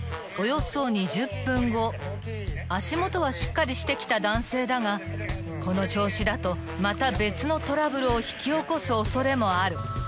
［足元はしっかりしてきた男性だがこの調子だとまた別のトラブルを引き起こす恐れもある］